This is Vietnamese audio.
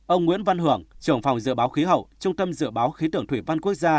ông nguyễn văn hưởng trưởng phòng dự báo khí hậu trung tâm dự báo khí tượng thủy văn quốc gia